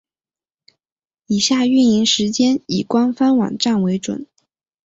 以下营运时间以官方网站为准。